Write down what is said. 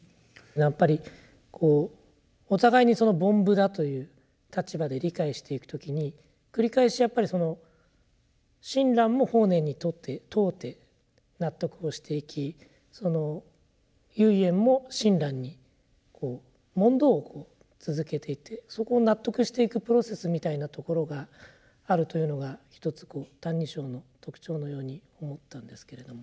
やっぱりこうお互いに「凡夫」だという立場で理解していく時に繰り返しやっぱりその親鸞も法然に問うて納得をしていきその唯円も親鸞に問答を続けていってそこを納得していくプロセスみたいなところがあるというのがひとつ「歎異抄」の特徴のように思ったんですけれども。